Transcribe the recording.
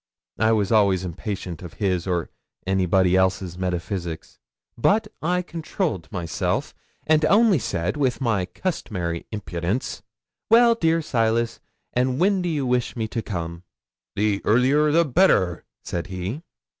'I was always impatient of his or anybody else's metaphysics; but I controlled myself, and only said, with my customary impudence '"Well, dear Silas, and when do you wish me to come?" '"The earlier the better," said he.